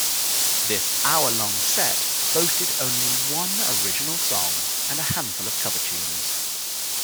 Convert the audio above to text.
This hour-long set boasted only one original song and a handful of cover tunes.